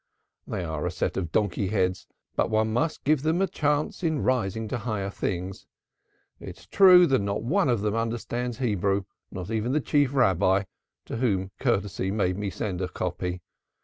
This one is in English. "They are a set of donkey heads, but one must give them a chance of rising to higher things. It is true that not one of them understands Hebrew, not even the Chief Rabbi, to whom courtesy made me send a copy.